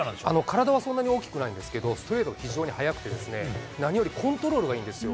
体はそんなに大きくないんですけど、ストレートが非常に速くてですね、何よりコントロールがいいんですよ。